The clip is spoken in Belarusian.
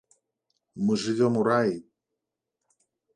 Мы жывём у раі.